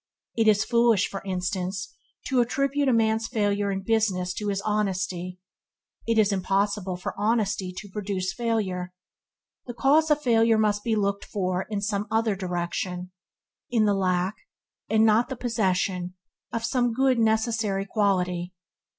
It is foolish, for instance, to attribute a man's failure in business to his honest. It is impossible for honesty to produce failure. The cause of failure must be looked for in some other direction – in the lack, and not the possession, of some good necessary quality.